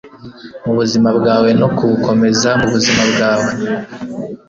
mubuzima bwawe no kubukomeza mubuzima bwawe